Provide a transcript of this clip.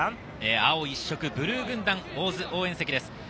青一色、ブルー軍団、大津応援席です。